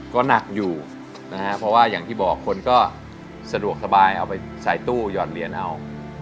ก็หนักอยู่นะฮะเพราะว่าอย่างที่บอกคนก็สะดวกสบายเอาไปใส่ตู้หย่อนเหรียญเอา